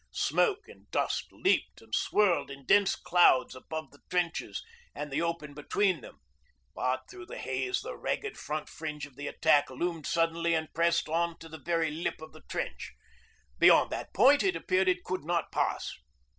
Smoke and dust leaped and swirled in dense clouds about the trenches and the open between them, but through the haze the ragged front fringe of the attack loomed suddenly and pressed on to the very lip of the trench. Beyond that point it appeared it could not pass.